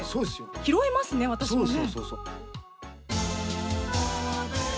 拾えますね、私もね。